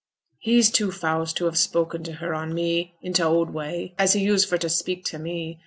'He's too fause to have spoken to her on me, in t' old way, as he used for t' speak to me.